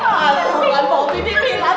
aku kan popi di pilat